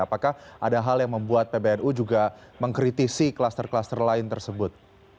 apakah ada hal yang membuat pbnu juga mengkritisi kluster kluster lain tersebut